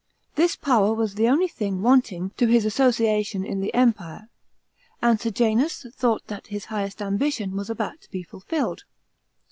This power was the only thing wanting to his association in the Empire, and Sejanus thought that his highest ambition was about to be fulfilled.